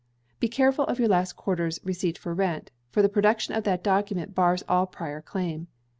Be careful of your last quarter's receipt for rent, for the production of that document bars all prior claim.